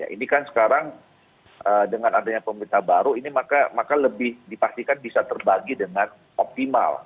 ini kan sekarang dengan adanya pemerintah baru ini maka lebih dipastikan bisa terbagi dengan optimal